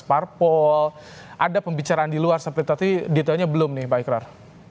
parpol ada pembicaraan di luar seperti tadi detailnya belum nih pak ikrar